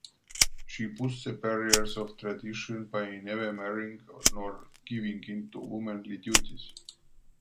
She pushed the barriers of tradition by never marrying nor giving into womanly duties.